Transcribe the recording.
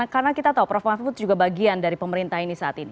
karena kita tahu prof mahfud juga bagian dari pemerintah ini saat ini